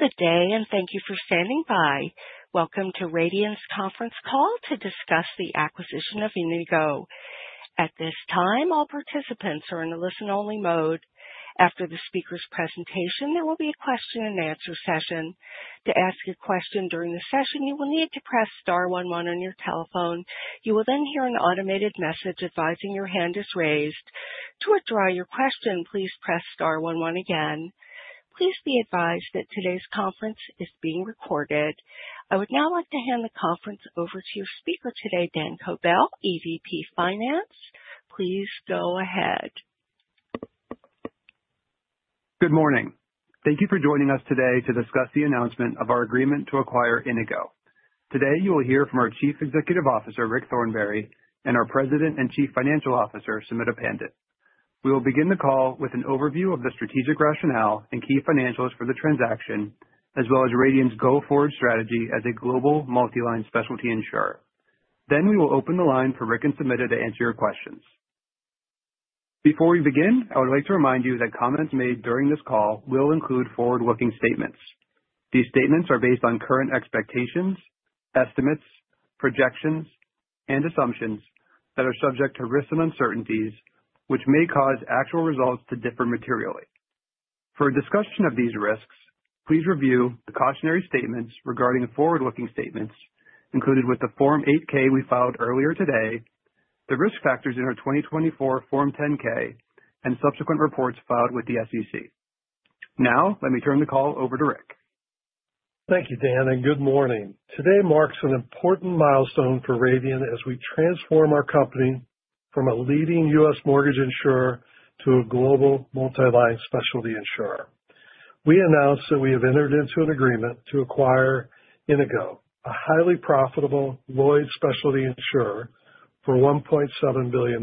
Good day, and thank you for standing by. Welcome to Radian's conference call to discuss the acquisition of Inigo. At this time, all participants are in a listen-only mode. After the speaker's presentation, there will be a question-and-answer session. To ask a question during the session, you will need to press star one one on your telephone. You will then hear an automated message advising your hand is raised. To withdraw your question, please press star one one again. Please be advised that today's conference is being recorded. I would now like to hand the conference over to your speaker today, Dan Kobell, EVP Finance. Please go ahead. Good morning. Thank you for joining us today to discuss the announcement of our agreement to acquire Inigo. Today, you will hear from our Chief Executive Officer, Rick Thornberry, and our President and Chief Financial Officer, Sumita Pandit. We will begin the call with an overview of the strategic rationale and key financials for the transaction, as well as Radian's go-forward strategy as a global multi-line specialty insurer. Then we will open the line for Rick and Sumita to answer your questions. Before we begin, I would like to remind you that comments made during this call will include forward-looking statements. These statements are based on current expectations, estimates, projections, and assumptions that are subject to risks and uncertainties, which may cause actual results to differ materially. For a discussion of these risks, please review the cautionary statements regarding forward-looking statements included with the Form 8-K we filed earlier today, the risk factors in our 2024 Form 10-K, and subsequent reports filed with the SEC. Now, let me turn the call over to Rick. Thank you, Dan, and good morning. Today marks an important milestone for Radian as we transform our company from a leading U.S. mortgage insurer to a global multi-line specialty insurer. We announce that we have entered into an agreement to acquire Inigo, a highly profitable Lloyd's specialty insurer for $1.7 billion.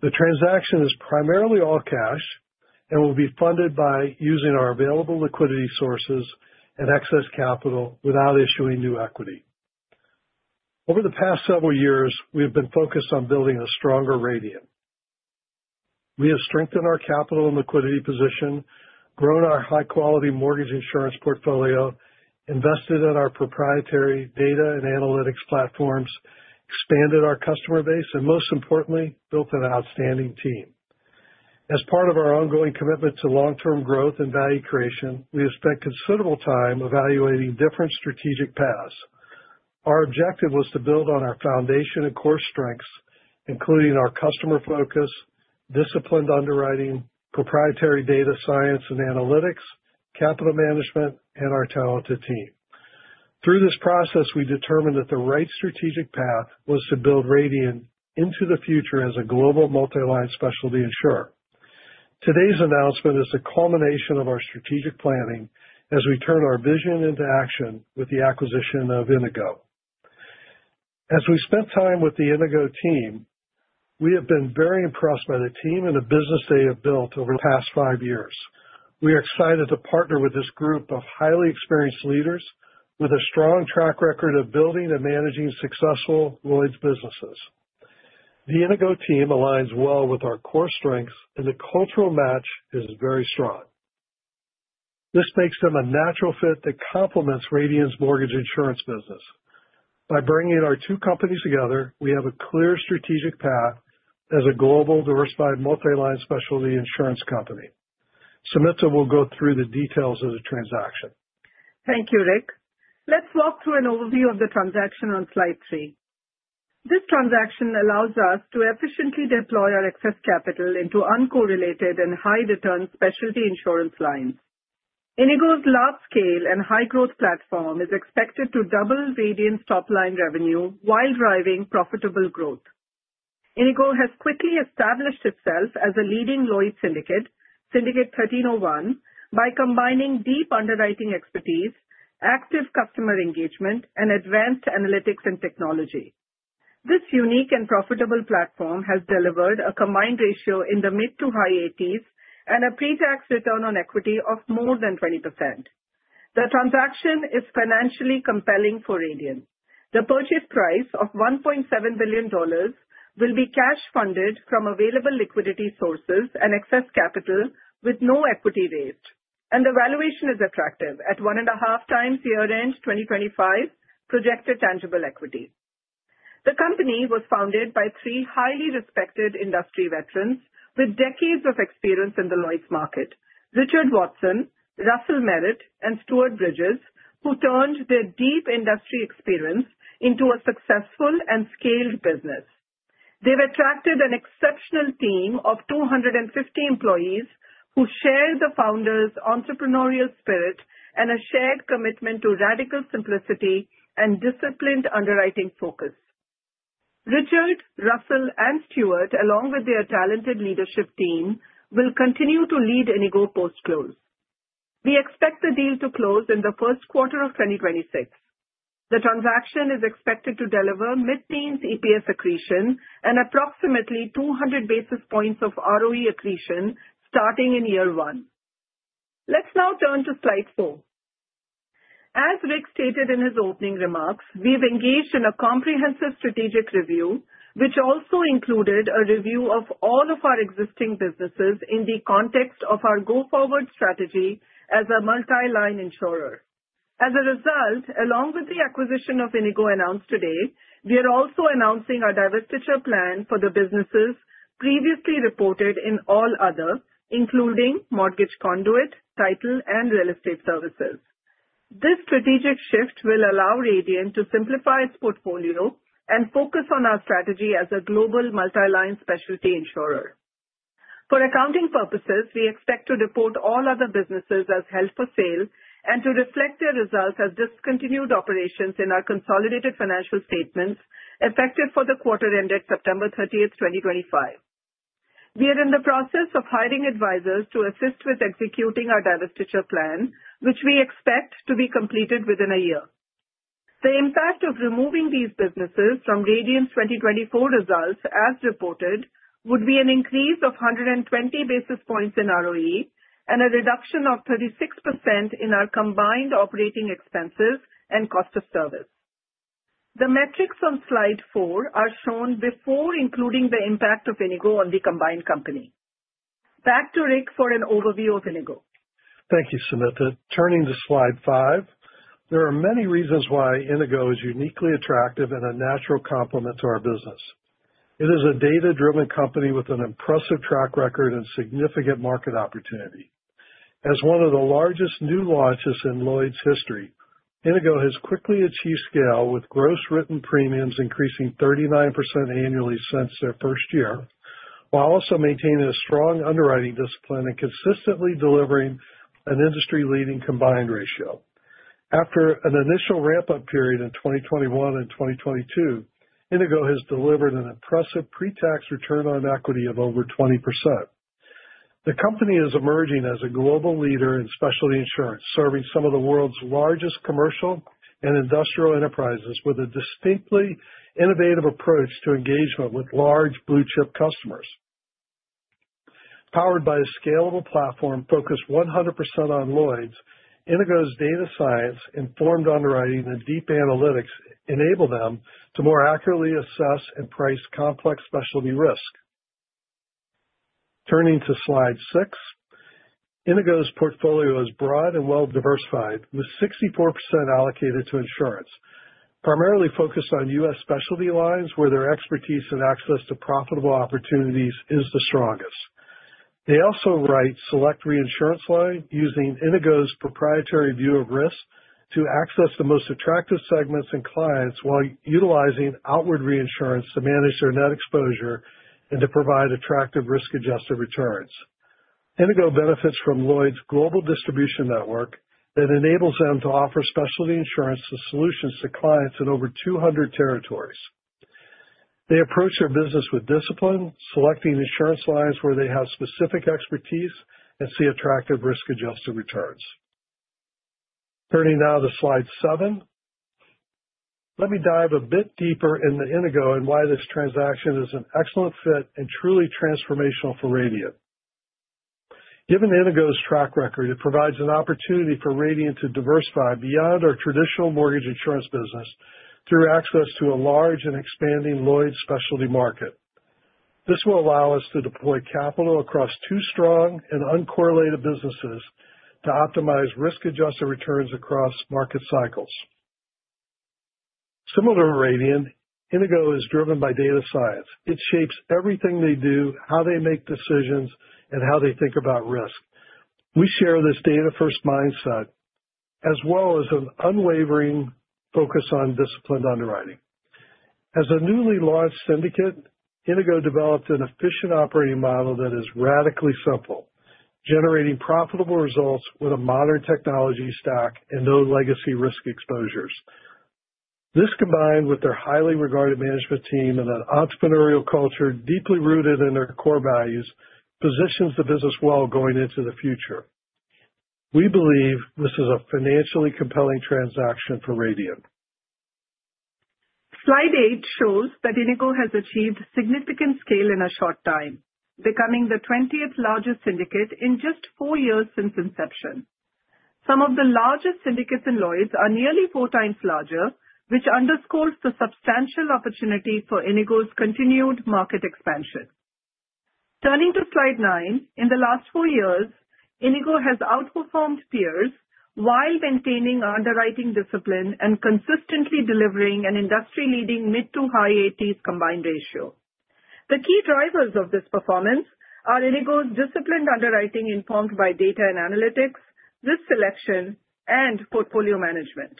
The transaction is primarily all cash and will be funded by using our available liquidity sources and excess capital without issuing new equity. Over the past several years, we have been focused on building a stronger Radian. We have strengthened our capital and liquidity position, grown our high-quality mortgage insurance portfolio, invested in our proprietary data and analytics platforms, expanded our customer base, and most importantly, built an outstanding team. As part of our ongoing commitment to long-term growth and value creation, we have spent considerable time evaluating different strategic paths. Our objective was to build on our foundation and core strengths, including our customer focus, disciplined underwriting, proprietary data science and analytics, capital management, and our talented team. Through this process, we determined that the right strategic path was to build Radian into the future as a global multi-line specialty insurer. Today's announcement is the culmination of our strategic planning as we turn our vision into action with the acquisition of Inigo. As we spent time with the Inigo team, we have been very impressed by the team and the business they have built over the past five years. We are excited to partner with this group of highly experienced leaders with a strong track record of building and managing successful Lloyd's businesses. The Inigo team aligns well with our core strengths, and the cultural match is very strong. This makes them a natural fit that complements Radian's mortgage insurance business. By bringing our two companies together, we have a clear strategic path as a global diversified multi-line specialty insurance company. Sumita will go through the details of the transaction. Thank you, Rick. Let's walk through an overview of the transaction on slide three. This transaction allows us to efficiently deploy our excess capital into uncorrelated and high-return specialty insurance lines. Inigo's large-scale and high-growth platform is expected to double Radian's top-line revenue while driving profitable growth. Inigo has quickly established itself as a leading Lloyd's syndicate, Syndicate 1301, by combining deep underwriting expertise, active customer engagement, and advanced analytics and technology. This unique and profitable platform has delivered a combined ratio in the mid to high 80s and a pre-tax return on equity of more than 20%. The transaction is financially compelling for Radian. The purchase price of $1.7 billion will be cash funded from available liquidity sources and excess capital with no equity raised, and the valuation is attractive at one and a half times year-end 2025 projected tangible equity. The company was founded by three highly respected industry veterans with decades of experience in the Lloyd's market, Richard Watson, Russell Merrett, and Stuart Bridges, who turned their deep industry experience into a successful and scaled business. They've attracted an exceptional team of 250 employees who share the founders' entrepreneurial spirit and a shared commitment to radical simplicity and disciplined underwriting focus. Richard, Russell, and Stuart, along with their talented leadership team, will continue to lead Inigo post-close. We expect the deal to close in the first quarter of 2026. The transaction is expected to deliver mid-teens EPS accretion and approximately 200 basis points of ROE accretion starting in year one. Let's now turn to slide four. As Rick stated in his opening remarks, we've engaged in a comprehensive strategic review, which also included a review of all of our existing businesses in the context of our go-forward strategy as a multi-line insurer. As a result, along with the acquisition of Inigo announced today, we are also announcing our divestiture plan for the businesses previously reported in All Other, including mortgage conduit, title, and real estate services. This strategic shift will allow Radian to simplify its portfolio and focus on our strategy as a global multi-line specialty insurer. For accounting purposes, we expect to report All other businesses as held for sale and to reflect their results as discontinued operations in our consolidated financial statements effective for the quarter ended September 30th, 2025. We are in the process of hiring advisors to assist with executing our divestiture plan, which we expect to be completed within a year. The impact of removing these businesses from Radian's 2024 results, as reported, would be an increase of 120 basis points in ROE and a reduction of 36% in our combined operating expenses and cost of service. The metrics on slide four are shown before including the impact of Inigo on the combined company. Back to Rick for an overview of Inigo. Thank you, Sumita. Turning to slide five, there are many reasons why Inigo is uniquely attractive and a natural complement to our business. It is a data-driven company with an impressive track record and significant market opportunity. As one of the largest new launches in Lloyd's history, Inigo has quickly achieved scale with gross written premiums increasing 39% annually since their first year, while also maintaining a strong underwriting discipline and consistently delivering an industry-leading combined ratio. After an initial ramp-up period in 2021 and 2022, Inigo has delivered an impressive pre-tax return on equity of over 20%. The company is emerging as a global leader in specialty insurance, serving some of the world's largest commercial and industrial enterprises with a distinctly innovative approach to engagement with large blue-chip customers. Powered by a scalable platform focused 100% on Lloyd's, Inigo's data science, informed underwriting, and deep analytics enable them to more accurately assess and price complex specialty risk. Turning to slide six, Inigo's portfolio is broad and well-diversified, with 64% allocated to insurance, primarily focused on U.S. specialty lines where their expertise and access to profitable opportunities is the strongest. They also write select reinsurance lines using Inigo's proprietary view of risk to access the most attractive segments and clients while utilizing outward reinsurance to manage their net exposure and to provide attractive risk-adjusted returns. Inigo benefits from Lloyd's global distribution network that enables them to offer specialty insurance solutions to clients in over 200 territories. They approach their business with discipline, selecting insurance lines where they have specific expertise and see attractive risk-adjusted returns. Turning now to slide seven, let me dive a bit deeper into Inigo and why this transaction is an excellent fit and truly transformational for Radian. Given Inigo's track record, it provides an opportunity for Radian to diversify beyond our traditional mortgage insurance business through access to a large and expanding Lloyd's specialty market. This will allow us to deploy capital across two strong and uncorrelated businesses to optimize risk-adjusted returns across market cycles. Similar to Radian, Inigo is driven by data science. It shapes everything they do, how they make decisions, and how they think about risk. We share this data-first mindset as well as an unwavering focus on disciplined underwriting. As a newly launched syndicate, Inigo developed an efficient operating model that is radically simple, generating profitable results with a modern technology stack and no legacy risk exposures. This, combined with their highly regarded management team and an entrepreneurial culture deeply rooted in their core values, positions the business well going into the future. We believe this is a financially compelling transaction for Radian. Slide eight shows that Inigo has achieved significant scale in a short time, becoming the 20th largest syndicate in just four years since inception. Some of the largest syndicates in Lloyd's are nearly four times larger, which underscores the substantial opportunity for Inigo's continued market expansion. Turning to slide nine, in the last four years, Inigo has outperformed peers while maintaining underwriting discipline and consistently delivering an industry-leading mid to high 80s combined ratio. The key drivers of this performance are Inigo's disciplined underwriting informed by data and analytics, risk selection, and portfolio management.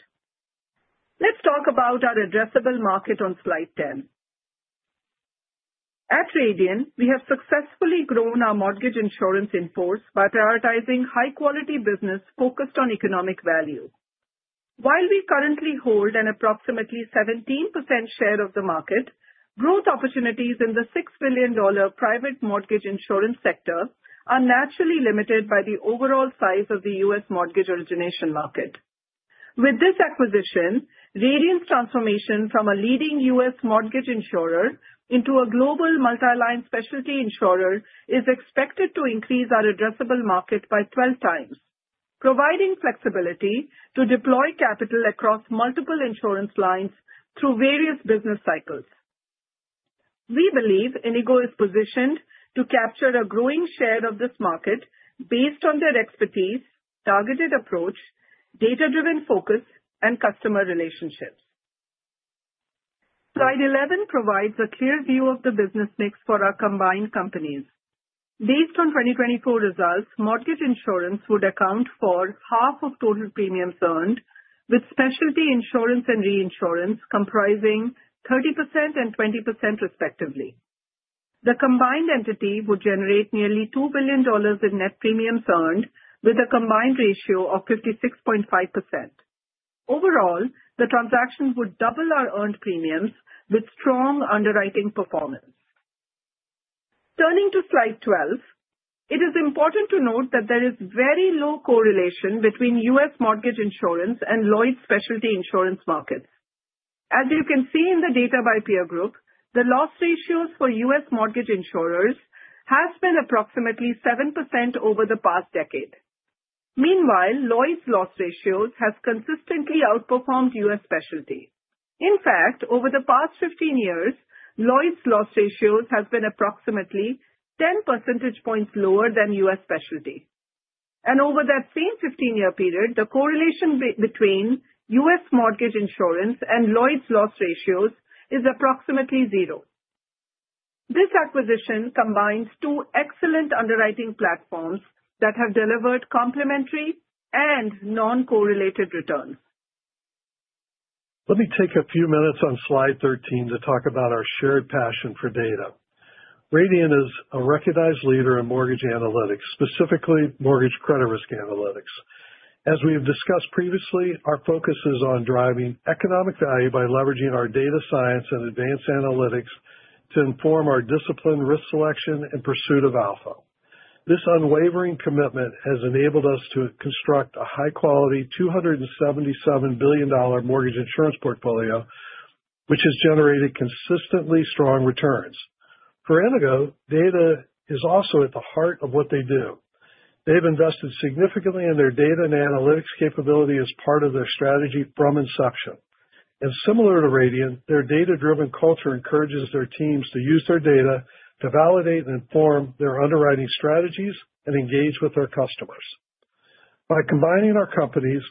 Let's talk about our addressable market on slide 10. At Radian, we have successfully grown our mortgage insurance in force by prioritizing high-quality business focused on economic value. While we currently hold an approximately 17% share of the market, growth opportunities in the $6 billion private mortgage insurance sector are naturally limited by the overall size of the U.S. mortgage origination market. With this acquisition, Radian's transformation from a leading U.S. mortgage insurer into a global multi-line specialty insurer is expected to increase our addressable market by 12 times, providing flexibility to deploy capital across multiple insurance lines through various business cycles. We believe Inigo is positioned to capture a growing share of this market based on their expertise, targeted approach, data-driven focus, and customer relationships. Slide 11 provides a clear view of the business mix for our combined companies. Based on 2024 results, mortgage insurance would account for half of total premiums earned, with specialty insurance and reinsurance comprising 30% and 20% respectively. The combined entity would generate nearly $2 billion in net premiums earned, with a combined ratio of 56.5%. Overall, the transaction would double our earned premiums with strong underwriting performance. Turning to slide 12, it is important to note that there is very low correlation between U.S. mortgage insurance and Lloyd's specialty insurance markets. As you can see in the data by peer group, the loss ratios for U.S. mortgage insurers have been approximately 7% over the past decade. Meanwhile, Lloyd's loss ratios have consistently outperformed U.S. specialty. In fact, over the past 15 years, Lloyd's loss ratios have been approximately 10 percentage points lower than U.S. specialty, and over that same 15-year period, the correlation between U.S. mortgage insurance and Lloyd's loss ratios is approximately zero. This acquisition combines two excellent underwriting platforms that have delivered complementary and non-correlated returns. Let me take a few minutes on slide 13 to talk about our shared passion for data. Radian is a recognized leader in mortgage analytics, specifically mortgage credit risk analytics. As we have discussed previously, our focus is on driving economic value by leveraging our data science and advanced analytics to inform our disciplined risk selection and pursuit of alpha. This unwavering commitment has enabled us to construct a high-quality $277 billion mortgage insurance portfolio, which has generated consistently strong returns. For Inigo, data is also at the heart of what they do. They've invested significantly in their data and analytics capability as part of their strategy from inception. And similar to Radian, their data-driven culture encourages their teams to use their data to validate and inform their underwriting strategies and engage with their customers. By combining our companies,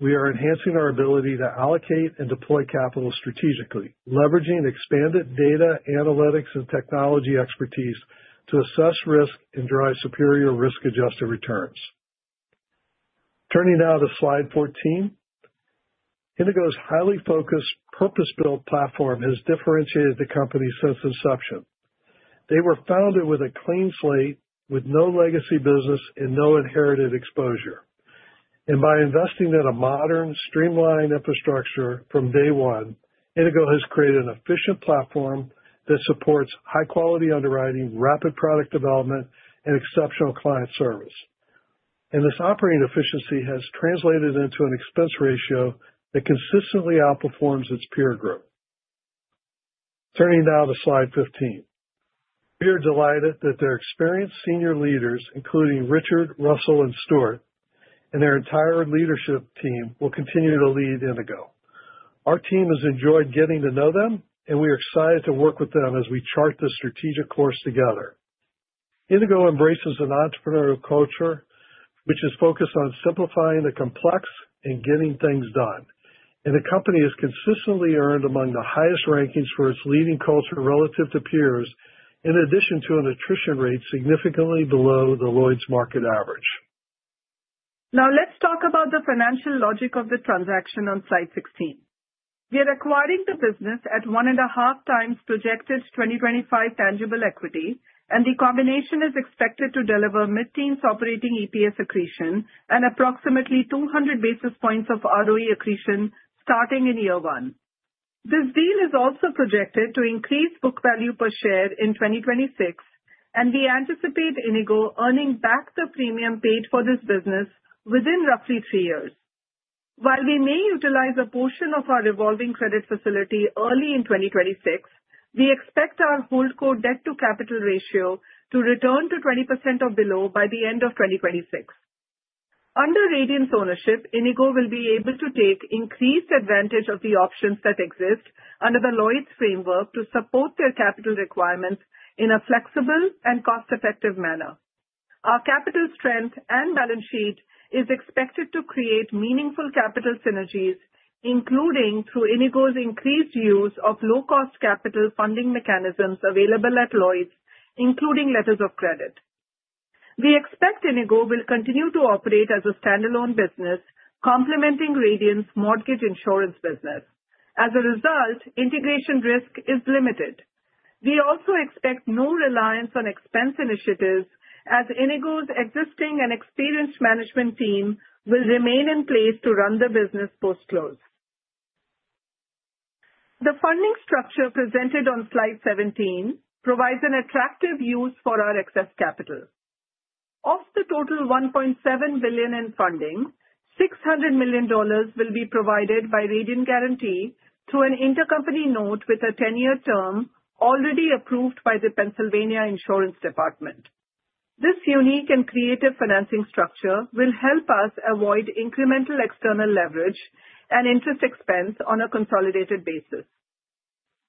we are enhancing our ability to allocate and deploy capital strategically, leveraging expanded data analytics and technology expertise to assess risk and drive superior risk-adjusted returns. Turning now to slide 14, Inigo's highly focused, purpose-built platform has differentiated the company since inception. They were founded with a clean slate, with no legacy business and no inherited exposure. And by investing in a modern, streamlined infrastructure from day one, Inigo has created an efficient platform that supports high-quality underwriting, rapid product development, and exceptional client service. And this operating efficiency has translated into an expense ratio that consistently outperforms its peer group. Turning now to slide 15, we are delighted that their experienced senior leaders, including Richard, Russell, and Stuart, and their entire leadership team, will continue to lead Inigo. Our team has enjoyed getting to know them, and we are excited to work with them as we chart the strategic course together. Inigo embraces an entrepreneurial culture which is focused on simplifying the complex and getting things done. And the company has consistently earned among the highest rankings for its leading culture relative to peers, in addition to an attrition rate significantly below the Lloyd's market average. Now, let's talk about the financial logic of the transaction on slide 16. We are acquiring the business at one and a half times projected 2025 tangible equity, and the combination is expected to deliver mid-teens operating EPS accretion and approximately 200 basis points of ROE accretion starting in year one. This deal is also projected to increase book value per share in 2026, and we anticipate Inigo earning back the premium paid for this business within roughly three years. While we may utilize a portion of our revolving credit facility early in 2026, we expect our holdco debt-to-capital ratio to return to 20% or below by the end of 2026. Under Radian's ownership, Inigo will be able to take increased advantage of the options that exist under the Lloyd's framework to support their capital requirements in a flexible and cost-effective manner. Our capital strength and balance sheet is expected to create meaningful capital synergies, including through Inigo's increased use of low-cost capital funding mechanisms available at Lloyd's, including letters of credit. We expect Inigo will continue to operate as a standalone business, complementing Radian's mortgage insurance business. As a result, integration risk is limited. We also expect no reliance on expense initiatives, as Inigo's existing and experienced management team will remain in place to run the business post-close. The funding structure presented on slide 17 provides an attractive use for our excess capital. Of the total $1.7 billion in funding, $600 million will be provided by Radian Guaranty through an intercompany note with a 10-year term already approved by the Pennsylvania Insurance Department. This unique and creative financing structure will help us avoid incremental external leverage and interest expense on a consolidated basis.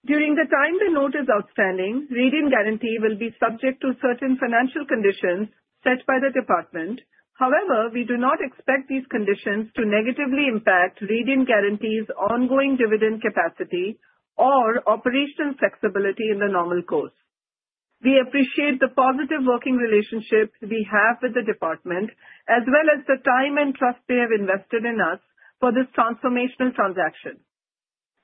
During the time the note is outstanding, Radian Guaranty will be subject to certain financial conditions set by the department. However, we do not expect these conditions to negatively impact Radian Guaranty's ongoing dividend capacity or operational flexibility in the normal course. We appreciate the positive working relationship we have with the department, as well as the time and trust they have invested in us for this transformational transaction.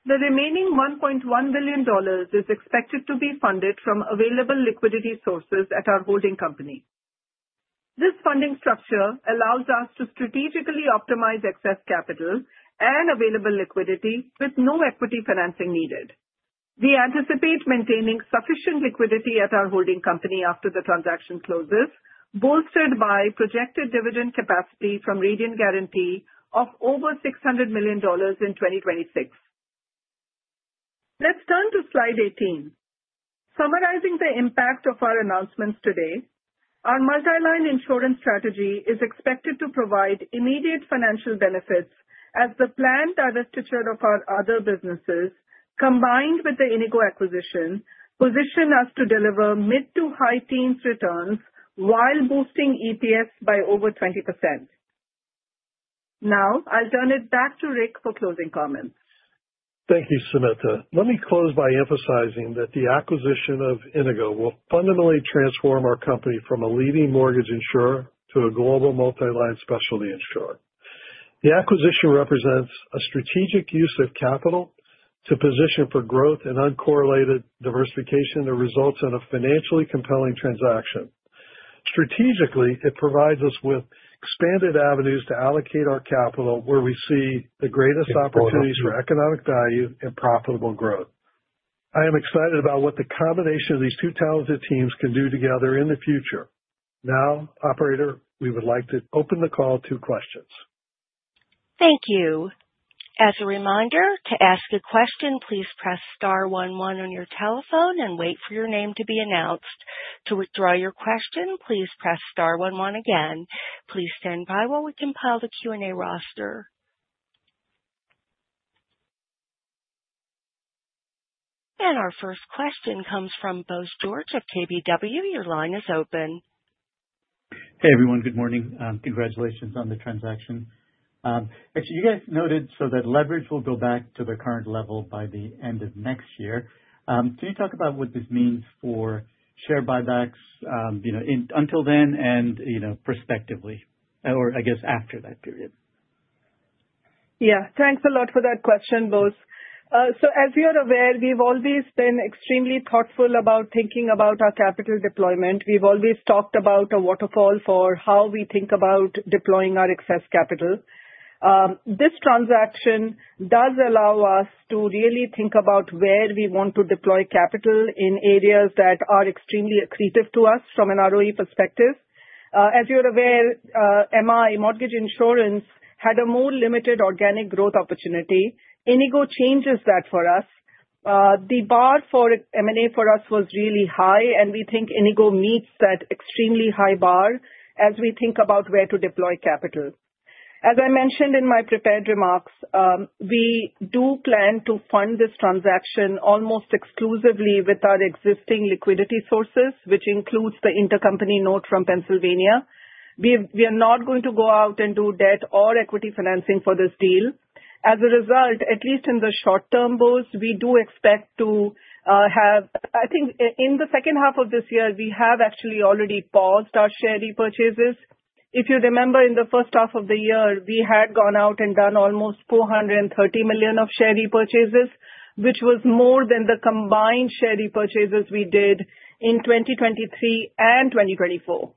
The remaining $1.1 billion is expected to be funded from available liquidity sources at our holding company. This funding structure allows us to strategically optimize excess capital and available liquidity with no equity financing needed. We anticipate maintaining sufficient liquidity at our holding company after the transaction closes, bolstered by projected dividend capacity from Radian Guaranty of over $600 million in 2026. Let's turn to slide 18. Summarizing the impact of our announcements today, our multi-line insurance strategy is expected to provide immediate financial benefits as the planned divestiture of our other businesses, combined with the Inigo acquisition, positions us to deliver mid to high teens returns while boosting EPS by over 20%. Now, I'll turn it back to Rick for closing comments. Thank you, Sumita. Let me close by emphasizing that the acquisition of Inigo will fundamentally transform our company from a leading mortgage insurer to a global multi-line specialty insurer. The acquisition represents a strategic use of capital to position for growth and uncorrelated diversification that results in a financially compelling transaction. Strategically, it provides us with expanded avenues to allocate our capital where we see the greatest opportunities for economic value and profitable growth. I am excited about what the combination of these two talented teams can do together in the future. Now, operator, we would like to open the call to questions. Thank you. As a reminder, to ask a question, please press star one one on your telephone and wait for your name to be announced. To withdraw your question, please press star one one again. Please stand by while we compile the Q&A roster, and our first question comes from Bose George of KBW. Your line is open. Hey, everyone. Good morning. Congratulations on the transaction. Actually, you guys noted so that leverage will go back to the current level by the end of next year. Can you talk about what this means for share buybacks until then and prospectively, or I guess after that period? Yeah. Thanks a lot for that question, Bose. So as you're aware, we've always been extremely thoughtful about thinking about our capital deployment. We've always talked about a waterfall for how we think about deploying our excess capital. This transaction does allow us to really think about where we want to deploy capital in areas that are extremely accretive to us from an ROE perspective. As you're aware, MI, mortgage insurance had a more limited organic growth opportunity. Inigo changes that for us. The bar for M&A for us was really high, and we think Inigo meets that extremely high bar as we think about where to deploy capital. As I mentioned in my prepared remarks, we do plan to fund this transaction almost exclusively with our existing liquidity sources, which includes the intercompany note from Pennsylvania. We are not going to go out and do debt or equity financing for this deal. As a result, at least in the short term, Bose, we do expect to have, I think, in the second half of this year, we have actually already paused our share repurchases. If you remember, in the first half of the year, we had gone out and done almost $430 million of share repurchases, which was more than the combined share repurchases we did in 2023 and 2024.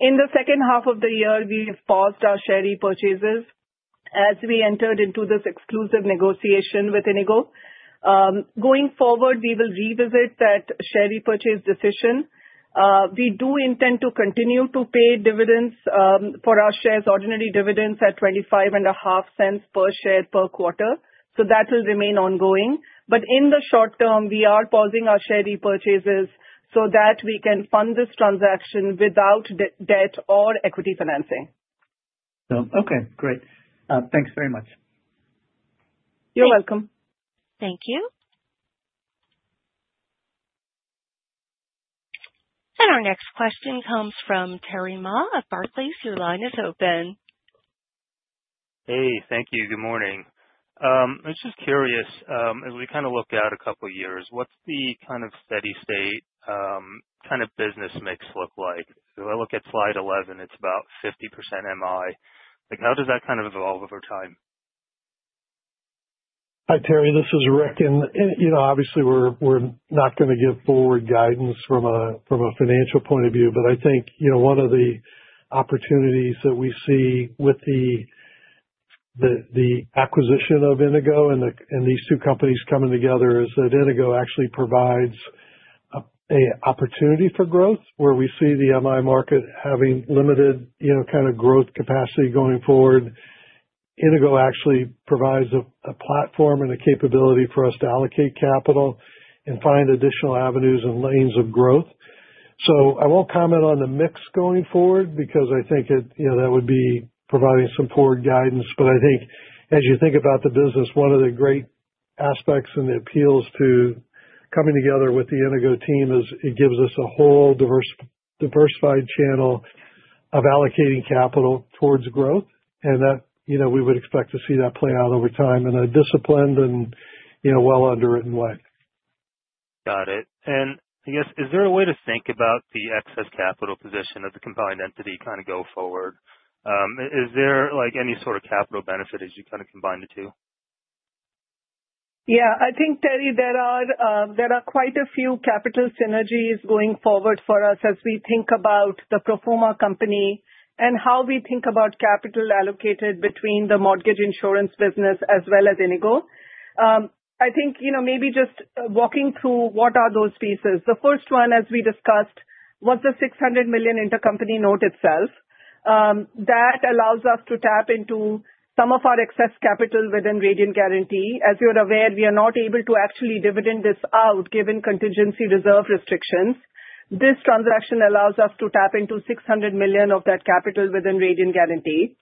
In the second half of the year, we have paused our share repurchases as we entered into this exclusive negotiation with Inigo. Going forward, we will revisit that share repurchase decision. We do intend to continue to pay dividends for our shares, ordinary dividends at $0.25 per share per quarter. So that will remain ongoing. But in the short term, we are pausing our share repurchases so that we can fund this transaction without debt or equity financing. Okay. Great. Thanks very much. You're welcome. Thank you. And our next question comes from Terry Ma of Barclays. Your line is open. Hey, thank you. Good morning. I was just curious, as we kind of look out a couple of years, what's the kind of steady state kind of business mix look like? If I look at slide 11, it's about 50% MI. How does that kind of evolve over time? Hi, Terry. This is Rick. And obviously, we're not going to give forward guidance from a financial point of view. But I think one of the opportunities that we see with the acquisition of Inigo and these two companies coming together is that Inigo actually provides an opportunity for growth where we see the MI market having limited kind of growth capacity going forward. Inigo actually provides a platform and a capability for us to allocate capital and find additional avenues and lanes of growth. So I won't comment on the mix going forward because I think that would be providing some forward guidance. But I think as you think about the business, one of the great aspects and the appeals to coming together with the Inigo team is it gives us a whole diversified channel of allocating capital towards growth. We would expect to see that play out over time in a disciplined and well-underwritten way. Got it, and I guess, is there a way to think about the excess capital position of the combined entity going forward? Is there any sort of capital benefit as you kind of combine the two? Yeah. I think there are quite a few capital synergies going forward for us as we think about the pro forma company and how we think about capital allocated between the mortgage insurance business as well as Inigo. I think maybe just walking through what are those pieces. The first one, as we discussed, was the $600 million intercompany note itself. That allows us to tap into some of our excess capital within Radian Guaranty. As you're aware, we are not able to actually dividend this out given contingency reserve restrictions. This transaction allows us to tap into $600 million of that capital within Radian Guaranty.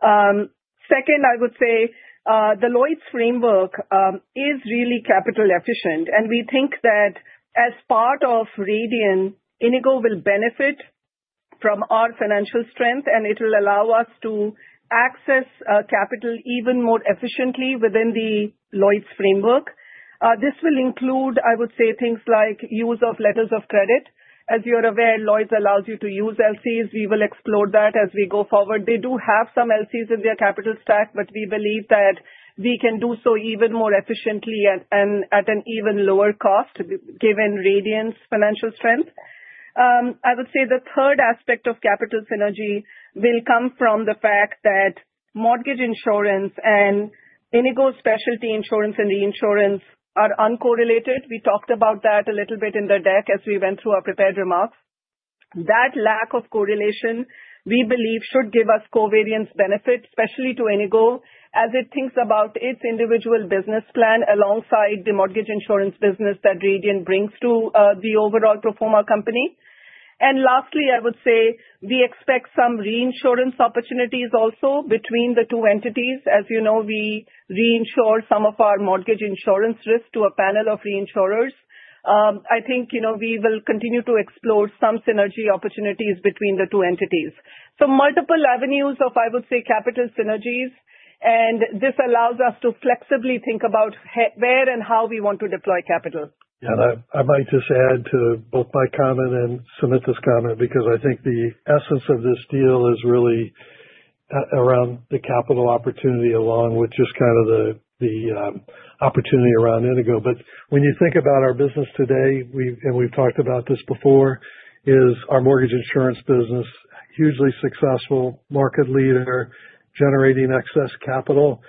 Second, I would say the Lloyd's framework is really capital efficient, and we think that as part of Radian, Inigo will benefit from our financial strength, and it will allow us to access capital even more efficiently within the Lloyd's framework. This will include, I would say, things like use of letters of credit. As you're aware, Lloyd's allows you to use LCs. We will explore that as we go forward. They do have some LCs in their capital stack, but we believe that we can do so even more efficiently and at an even lower cost given Radian's financial strength. I would say the third aspect of capital synergy will come from the fact that mortgage insurance and Inigo's specialty insurance and reinsurance are uncorrelated. We talked about that a little bit in the deck as we went through our prepared remarks. That lack of correlation, we believe, should give us covariance benefit, especially to Inigo as it thinks about its individual business plan alongside the mortgage insurance business that Radian brings to the overall pro forma company. And lastly, I would say we expect some reinsurance opportunities also between the two entities. As you know, we reinsure some of our mortgage insurance risk to a panel of reinsurers. I think we will continue to explore some synergy opportunities between the two entities. So multiple avenues of, I would say, capital synergies. And this allows us to flexibly think about where and how we want to deploy capital. And I might just add to both my comment and Sumita's comment because I think the essence of this deal is really around the capital opportunity along with just kind of the opportunity around Inigo. But when you think about our business today, and we've talked about this before, is our mortgage insurance business, hugely successful market leader, generating excess capital,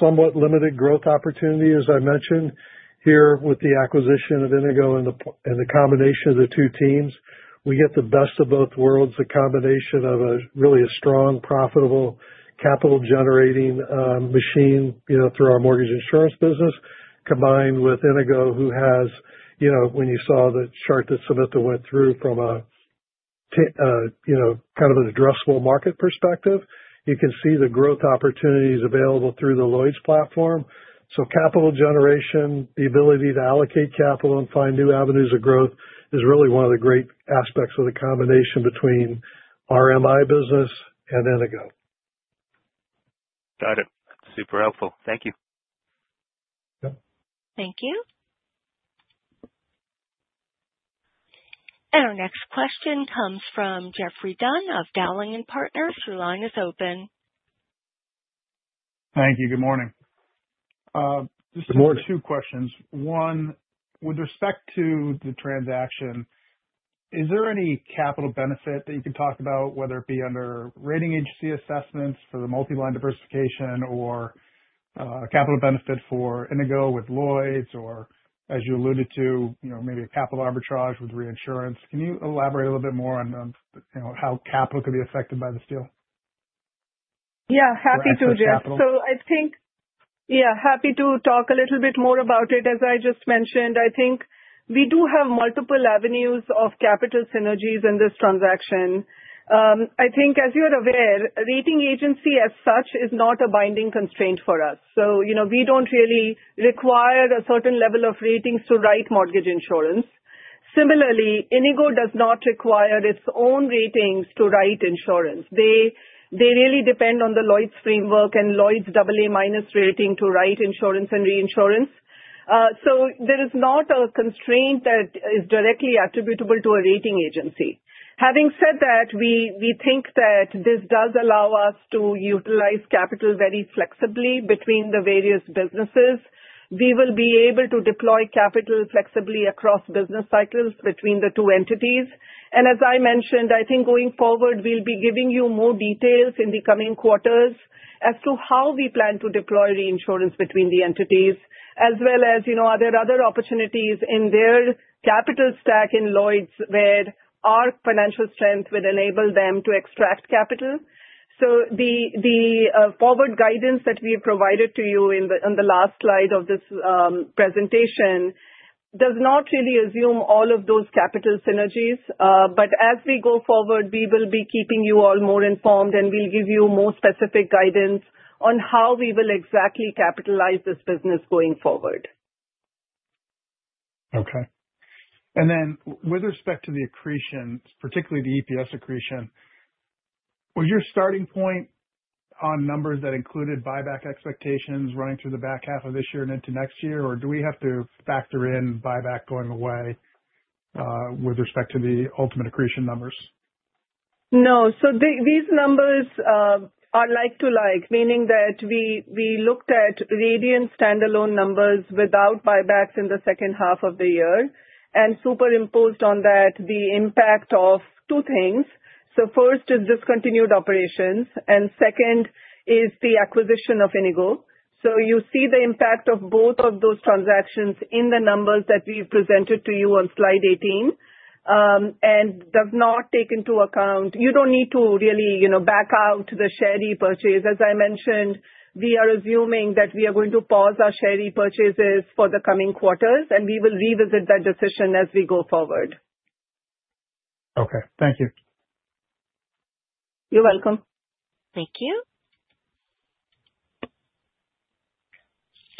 somewhat limited growth opportunity, as I mentioned here with the acquisition of Inigo and the combination of the two teams. We get the best of both worlds, a combination of a really strong, profitable, capital-generating machine through our mortgage insurance business combined with Inigo, who has, when you saw the chart that Sumita went through from a kind of an addressable market perspective, you can see the growth opportunities available through the Lloyd's platform. Capital generation, the ability to allocate capital and find new avenues of growth is really one of the great aspects of the combination between our MI business and Inigo. Got it. Super helpful. Thank you. Thank you. And our next question comes from Geoffrey Dunn of Dowling & Partners. Your line is open. Thank you. Good morning. Just two questions. One, with respect to the transaction, is there any capital benefit that you can talk about, whether it be under rating agency assessments for the multi-line diversification or capital benefit for Inigo with Lloyd's or, as you alluded to, maybe a capital arbitrage with reinsurance? Can you elaborate a little bit more on how capital could be affected by this deal? Yeah. Happy to just. Capital? I think, yeah, happy to talk a little bit more about it. As I just mentioned, I think we do have multiple avenues of capital synergies in this transaction. I think, as you're aware, rating agency as such is not a binding constraint for us. So we don't really require a certain level of ratings to write mortgage insurance. Similarly, Inigo does not require its own ratings to write insurance. They really depend on the Lloyd's framework and Lloyd's AA- rating to write insurance and reinsurance. So there is not a constraint that is directly attributable to a rating agency. Having said that, we think that this does allow us to utilize capital very flexibly between the various businesses. We will be able to deploy capital flexibly across business cycles between the two entities. And as I mentioned, I think going forward, we'll be giving you more details in the coming quarters as to how we plan to deploy reinsurance between the entities, as well as are there other opportunities in their capital stack in Lloyd's where our financial strength would enable them to extract capital. So the forward guidance that we have provided to you in the last slide of this presentation does not really assume all of those capital synergies. But as we go forward, we will be keeping you all more informed, and we'll give you more specific guidance on how we will exactly capitalize this business going forward. Okay. And then with respect to the accretion, particularly the EPS accretion, was your starting point on numbers that included buyback expectations running through the back half of this year and into next year, or do we have to factor in buyback going away with respect to the ultimate accretion numbers? No. So these numbers are like to like, meaning that we looked at Radian's standalone numbers without buybacks in the second half of the year and superimposed on that the impact of two things. So first is discontinued operations, and second is the acquisition of Inigo. So you see the impact of both of those transactions in the numbers that we've presented to you on slide 18 and does not take into account. You don't need to really back out the share repurchase. As I mentioned, we are assuming that we are going to pause our share repurchases for the coming quarters, and we will revisit that decision as we go forward. Okay. Thank you. You're welcome. Thank you.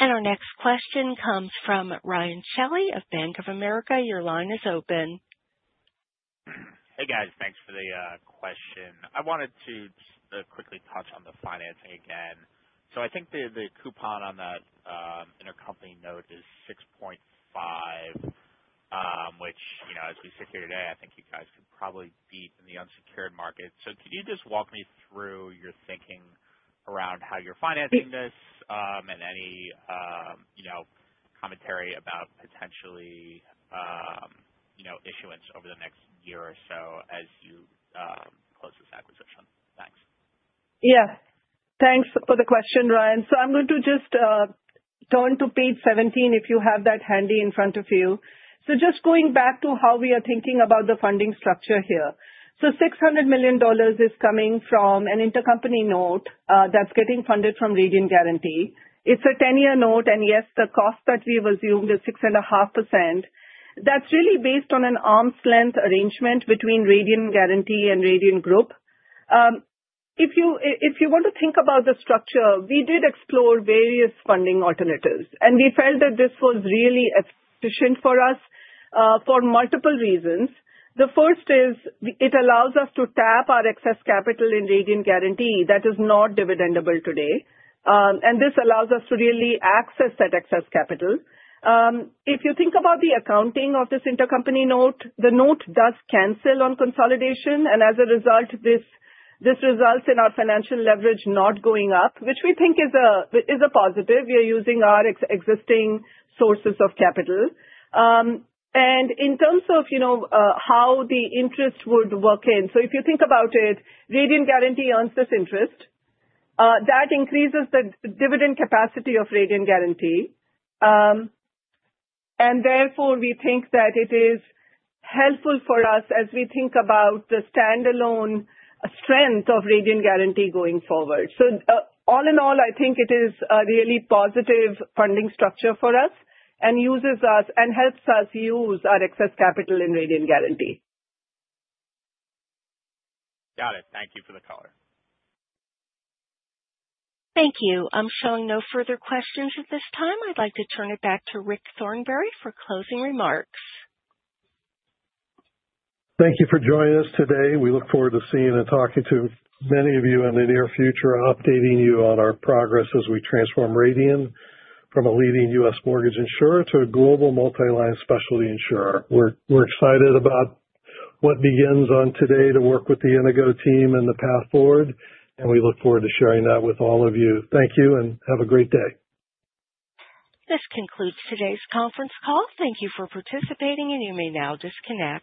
Our next question comes from Ryan Kelly of Bank of America. Your line is open. Hey, guys. Thanks for the question. I wanted to just quickly touch on the financing again. So I think the coupon on that intercompany note is 6.5, which, as we sit here today, I think you guys could probably beat in the unsecured market. So could you just walk me through your thinking around how you're financing this and any commentary about potentially issuance over the next year or so as you close this acquisition? Thanks. Yeah. Thanks for the question, Ryan. So I'm going to just turn to page 17 if you have that handy in front of you. So just going back to how we are thinking about the funding structure here. So $600 million is coming from an intercompany note that's getting funded from Radian Guaranty. It's a 10-year note. And yes, the cost that we've assumed is 6.5%. That's really based on an arm's length arrangement between Radian Guaranty and Radian Group. If you want to think about the structure, we did explore various funding alternatives. And we felt that this was really efficient for us for multiple reasons. The first is it allows us to tap our excess capital in Radian Guaranty that is not dividendable today. And this allows us to really access that excess capital. If you think about the accounting of this intercompany note, the note does cancel on consolidation, and as a result, this results in our financial leverage not going up, which we think is a positive. We are using our existing sources of capital, and in terms of how the interest would work in, so if you think about it, Radian Guaranty earns this interest. That increases the dividend capacity of Radian Guaranty, and therefore, we think that it is helpful for us as we think about the standalone strength of Radian Guaranty going forward. So all in all, I think it is a really positive funding structure for us and uses us and helps us use our excess capital in Radian Guaranty. Got it. Thank you for the color. Thank you. I'm showing no further questions at this time. I'd like to turn it back to Rick Thornberry for closing remarks. Thank you for joining us today. We look forward to seeing and talking to many of you in the near future, updating you on our progress as we transform Radian from a leading U.S. mortgage insurer to a global multi-line specialty insurer. We're excited about what begins on today to work with the Inigo team and the path forward, and we look forward to sharing that with all of you. Thank you and have a great day. This concludes today's conference call. Thank you for participating, and you may now disconnect.